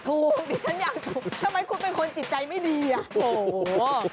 ถูกทำไมคุณเป็นใจไม่ดีอ่ะ